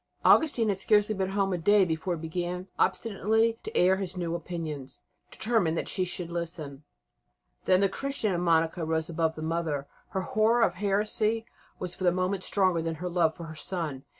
Augustine had scarcely been a day at home before he began obstinately to air his new opinions, determined that she should listen. Then the Christian in Monica rose above the mother; her horror of heresy was for the moment stronger than her love for her son.